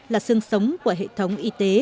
là sương sống của hệ thống